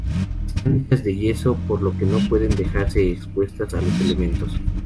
Están hechas en yeso, por lo que no pueden dejarse expuestas a los elementos.